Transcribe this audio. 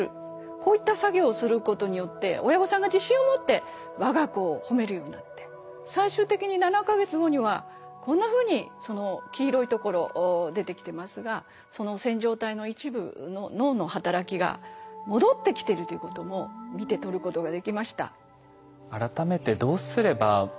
こういった作業をすることによって親御さんが自信を持って我が子を褒めるようになって最終的に７か月後にはこんなふうに黄色いところ出てきてますがその線条体の一部の脳の働きが戻ってきてるということも見て取ることができました。